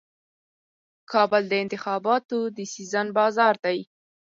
کابل د انتخاباتو د سیزن بازار دی.